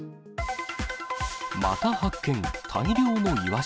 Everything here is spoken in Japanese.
また発見、大量のイワシ。